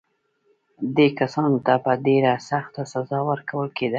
دې کسانو ته به ډېره سخته سزا ورکول کېدله.